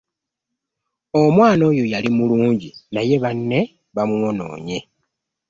Omwana oyo yali mulungi naye banne bamwonoonye.